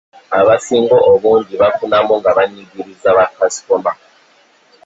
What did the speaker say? Abasinga obungi bafunamu nga banyigirizza ba kaasitoma.